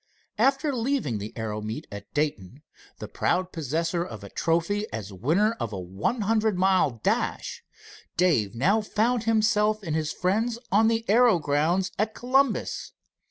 After leaving the aero meet at Dayton the proud possessor of a trophy as winner of a one hundred mile dash, Dave now found himself and his friends on the aero, grounds at Columbus.